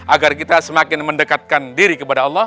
agar kita semakin mendekatkan diri kepada allah